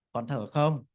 còn thở không